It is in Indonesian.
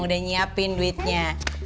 udah nyiapin duitnya